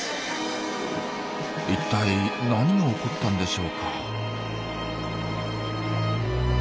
いったい何が起こったんでしょうか。